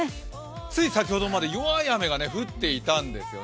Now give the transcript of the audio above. つい先ほどまで弱い雨が降っていたんですよね。